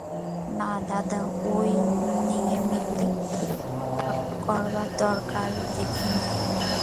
না দাদা, ঐ নিয়ে মিথ্যে দেরি করবার দরকার দেখি নে।